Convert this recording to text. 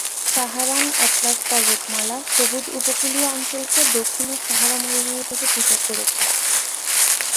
Saharan atlas পর্বতমালা সবুজ উপকূলীয় অঞ্চলকে দক্ষিণের সাহারা মরুভূমি থেকে পৃথক করেছে।